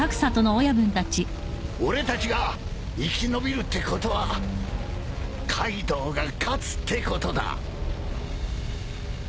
俺たちが生き延びるってことはカイドウが勝つってことだ。